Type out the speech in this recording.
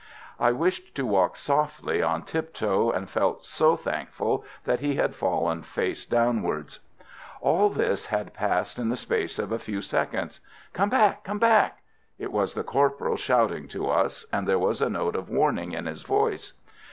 I wished to walk softly, on tiptoe, and felt so thankful that he had fallen face downwards. All this had passed in the space of a few seconds. "Come back! come back!" It was the corporal shouting to us, and there was a note of warning in his voice.